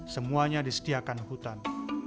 semuanya disediakan hutan